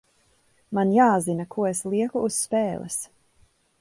Man jāzina, ko es lieku uz spēles.